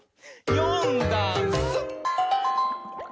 「よんだんす」